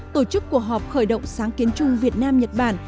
tổ chức cuộc họp khởi động sáng kiến chung việt nam nhật bản